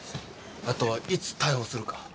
あとはいつ逮捕するか。